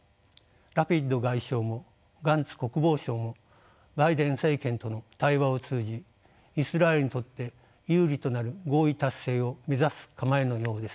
ラピド外相もガンツ国防相もバイデン政権との対話を通じイスラエルにとって有利となる合意達成を目指す構えのようです。